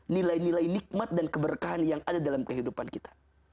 nilai nilai nikmat dan keberkahan yang ada dalam kehidupan kita